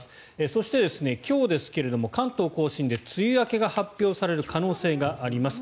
そして今日、関東・甲信で梅雨明けが発表される可能性があります。